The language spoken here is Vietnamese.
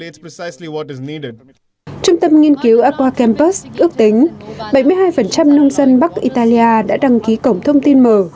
trung tâm nghiên cứu aqua campus ước tính bảy mươi hai nông dân bắc italia đã đăng ký cổng thông tin m